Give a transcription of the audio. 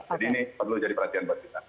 jadi ini perlu jadi perhatian buat kita